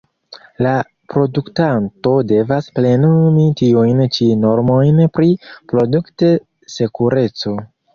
La produktanto devas plenumi tiujn ĉi normojn pri produkt-sekureco.